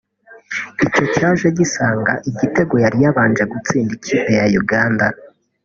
icyo cyaje gisanga igitego yari yabanje gutsinda ikipe ya Uganda